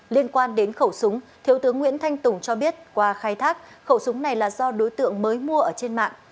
liên quan đến khẩu súng thiếu tướng nguyễn thanh tùng cho biết qua khai thác khẩu súng này là do đối tượng mới mua ở trên mạng